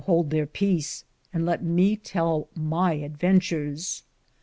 25 hould ther peace, and lett me tell them my adventurs.